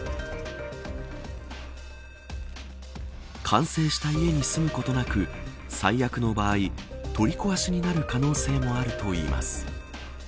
完成した家に住むことなく最悪の場合、取り壊しになる可能性もあるといいます。